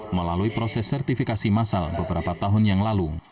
melalui proses sertifikasi masal beberapa tahun yang lalu